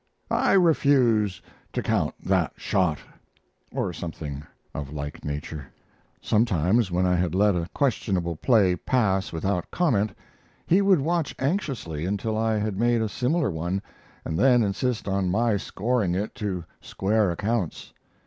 I refuse to count that shot," or something of like nature. Sometimes when I had let a questionable play pass without comment, he would watch anxiously until I had made a similar one and then insist on my scoring it to square accounts.